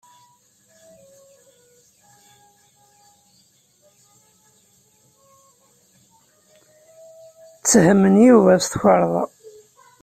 Ttehmen Yuba s tukerḍa.